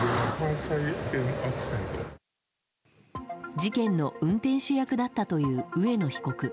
事件の運転手役だったという上野被告。